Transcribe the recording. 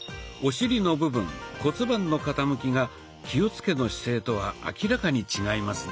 お尻の部分骨盤の傾きが気をつけの姿勢とは明らかに違いますね。